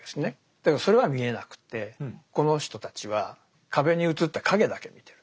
だけどそれは見えなくてこの人たちは壁に映った影だけ見てる。